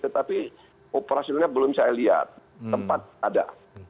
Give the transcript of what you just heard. tetapi operasionalnya belum saya lihat tempat ada